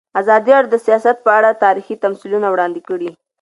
ازادي راډیو د سیاست په اړه تاریخي تمثیلونه وړاندې کړي.